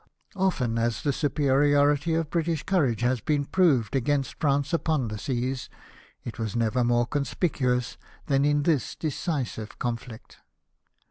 Often as the superiority of British courage has been proved against France upon the seas, it was never more conspicuous than in this decisive conflict.